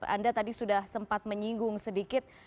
anda tadi sudah sempat menyinggung sedikit